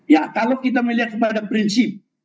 ya kalau kita melihat kepada prinsip